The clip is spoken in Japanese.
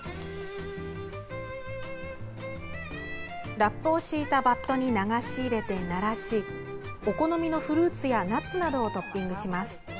ラップを敷いたバットに流し入れてならしお好みのフルーツやナッツなどをトッピングします。